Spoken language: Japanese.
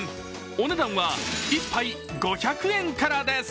お値段は１杯５００円からです。